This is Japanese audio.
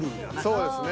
そうですね。